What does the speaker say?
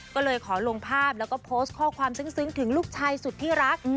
ก็เลยขอลงภาพแล้วก็โพสต์ข้อความซึ้งถึงลูกชายสุดที่รัก